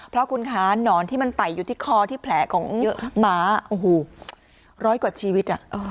เพราะคุณคะหนอนที่มันไต่อยู่ที่คอที่แผลของหมาโอ้โหร้อยกว่าชีวิต